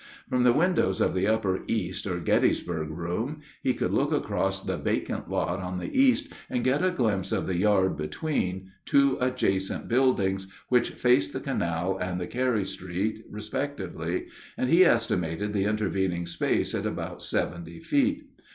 From the windows of the upper east or "Gettysburg room" he could look across the vacant lot on the east and get a glimpse of the yard between, two adjacent buildings which faced the canal and Carey street respectively, and he estimated the intervening space at about seventy feet.